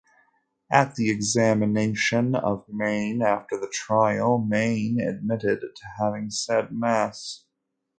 At the examination of Mayne after the trial, Mayne admitted to having said mass.